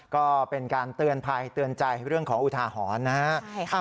ก็เป็นการเตือนภัยเตือนใจเรื่องของอุทาหรณ์นะครับ